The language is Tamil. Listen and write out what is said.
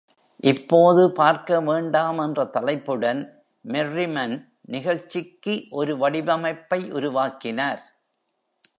"இப்போது பார்க்க வேண்டாம்" என்ற தலைப்புடன் மெர்ரிமன் நிகழ்ச்சிக்கு ஒரு வடிவமைப்பை உருவாக்கினார்.